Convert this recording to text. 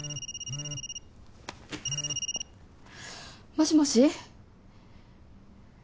もしもし？